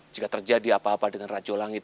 jika terjadi apa apa dengan rajulangit